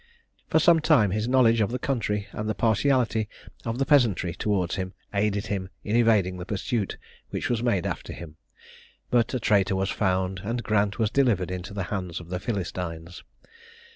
For some time his knowledge of the country, and the partiality of the peasantry towards him, aided him in evading the pursuit which was made after him; but a traitor was found, and Grant was delivered into the hands of the Philistines.